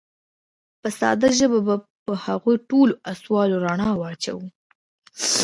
په ساده ژبه به په هغو ټولو اصولو رڼا واچوو.